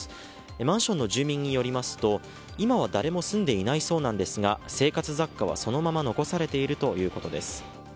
マンションの住民によりますと今は誰も住んでいないそうですが生活雑貨はそのまま残されているということです。